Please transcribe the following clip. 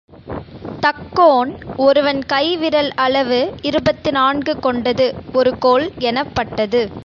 தக்கோன் ஒருவன் கைவிரல் அளவு இருபத்து நான்கு கொண்டது ஒரு கோல் எனப்பட்டது.